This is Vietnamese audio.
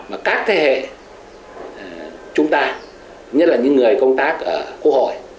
mà các thế hệ chúng ta nhất là những người công tác ở quốc hội